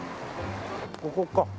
ここか。